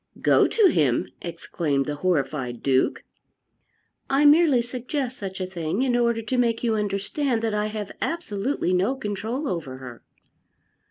"Go to him!" exclaimed the horrified Duke. "I merely suggest such a thing in order to make you understand that I have absolutely no control over her."